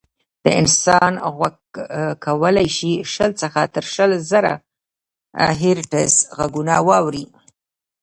د انسان غوږ کولی شي شل څخه تر شل زره هیرټز غږونه واوري.